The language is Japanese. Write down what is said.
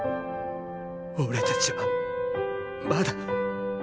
俺たちはまだ。